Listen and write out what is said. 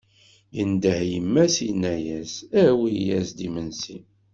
Yendeh i yemma-s yenna-as: Awi-as-d imensi!